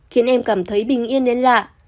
khiến em cảm thấy bình yên đến lạ